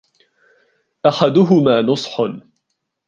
أَحَدُهُمَا نُصْحٌ